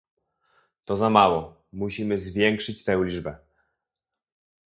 To za mało, musimy zwiększyć tę liczbę